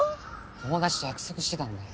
友達と約束してたんだよ。